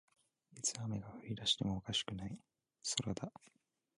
いつ雨が降りだしてもおかしくない空だ